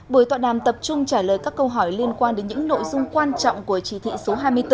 buổi tọa đàm tập trung trả lời các câu hỏi liên quan đến những nội dung quan trọng của chỉ thị số hai mươi bốn